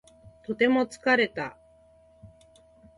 とても疲れた